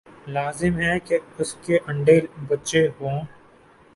لازم ہے کہ اس کے انڈے بچے ہوں۔